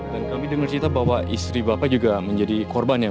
dan kami dengar cerita bahwa istri bapak juga menjadi korban ya